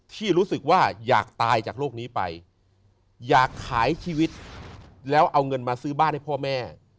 ที่รู้สึกว่าอยากตายจากโลกนี้ไปอยากขายชีวิตแล้วเอาเงินมาซื้อบ้านให้พ่อแม่